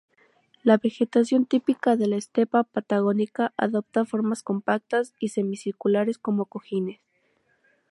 La vegetación típica de la estepa patagónica adopta formas compactas y semicirculares, como cojines.